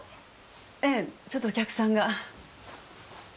ええちょっとお客さんが。